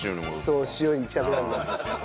そう塩いきたくなるの。